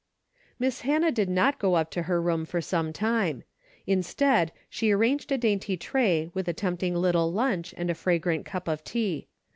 Miss Hannah did not go up to her room for some time. Instead, she arranged a dainty tray with a tempting little lunch and a fragrant cup of tea.